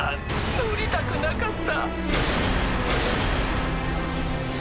乗りたくなかった。